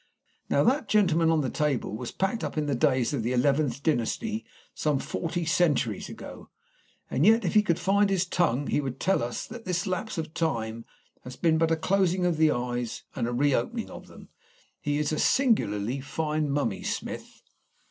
Now that gentleman on the table was packed up in the days of the eleventh dynasty, some forty centuries ago, and yet if he could find his tongue he would tell us that this lapse of time has been but a closing of the eyes and a reopening of them. He is a singularly fine mummy, Smith."